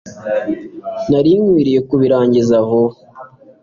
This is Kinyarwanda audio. nari nkwiye kubirangiza vuba